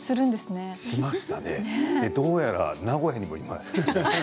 どうやら名古屋にもいます。